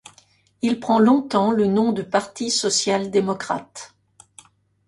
Il prend longtemps le nom de Parti social-démocrate.